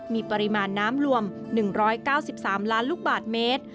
มีปริมาณน้ำรวม๑๙๓ล้านลูกบาทเมตร